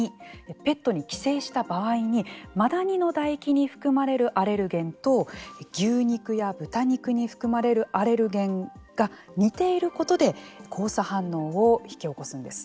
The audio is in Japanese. ペットに寄生した場合にマダニの唾液に含まれるアレルゲンと牛肉や豚肉に含まれるアレルゲンが似ていることで交差反応を引き起こすんです。